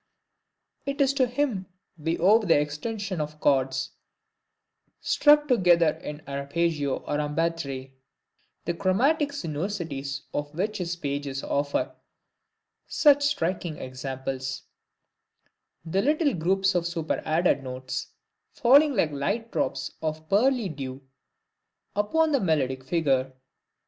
It is to him we owe the extension of chords, struck together in arpeggio, or en batterie; the chromatic sinuosities of which his pages offer such striking examples; the little groups of superadded notes, falling like light drops of pearly dew upon the melodic figure.